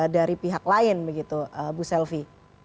dari pihak lain begitu bu selvi